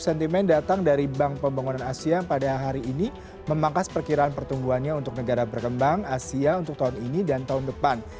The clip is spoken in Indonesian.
sentimen datang dari bank pembangunan asia pada hari ini memangkas perkiraan pertumbuhannya untuk negara berkembang asia untuk tahun ini dan tahun depan